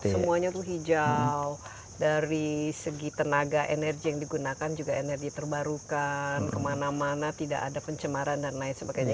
semuanya itu hijau dari segi tenaga energi yang digunakan juga energi terbarukan kemana mana tidak ada pencemaran dan lain sebagainya